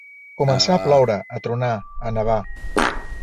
Començar a ploure, a tronar, a nevar.